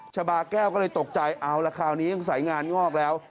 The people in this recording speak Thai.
ชาบาแก้วก็เลยตกใจเอาละคราวนี้ยังสายงานงอกแล้ว